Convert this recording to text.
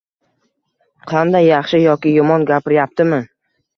Qanday – yaxshi yoki yomon gapiryaptimi?